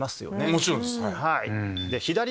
もちろんです。